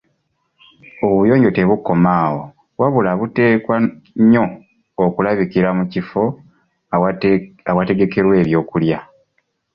Obuyonjo tebukoma awo wabula buteekwa nnyo okulabikira mu kifo awategekerwa ebyokulya.